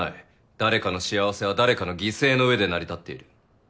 誰かの幸せは誰かの犠牲の上で成り立っている。